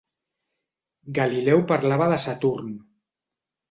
Galileu parlava de Saturn.